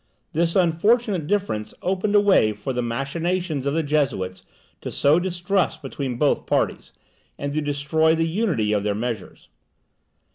This unfortunate difference opened a way for the machinations of the Jesuits to sow distrust between both parties, and to destroy the unity of their measures.